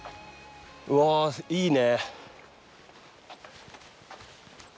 うわいいね。